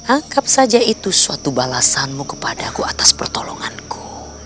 anggap saja itu suatu balasanmu kepadaku atas pertolonganku